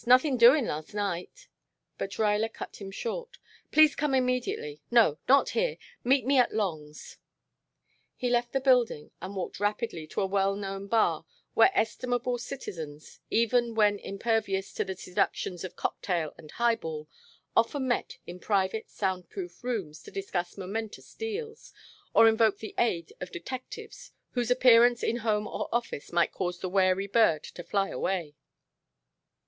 Nothin' doin' last night " But Ruyler cut him short. "Please come immediately no, not here. Meet me at Long's." He left the building and walked rapidly to a well known bar where estimable citizens, even when impervious to the seductions of cocktail and highball, often met in private soundproof rooms to discuss momentous deals, or invoke the aid of detectives whose appearance in home or office might cause the wary bird to fly away.